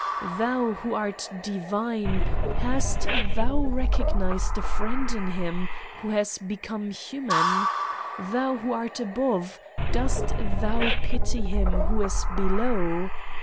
Thou, who art divine, hast thou recognized a friend in him who has be come human? Thou, who art above, dost thou pity him who is below?